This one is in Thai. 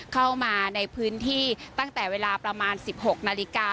เข้ามาในพื้นที่ตั้งแต่เวลาประมาณ๑๖นาฬิกา